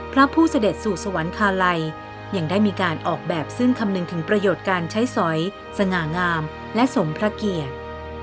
พระผู้เสด็จสู่สวรรคาลัยยังได้มีการออกแบบซึ่งคำนึงถึงประโยชน์การใช้สอยสง่างามและสมพระเกียรติ